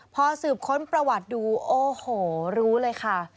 พอสืบค้นประวัติดูโอ้โหรู้เลยค่ะ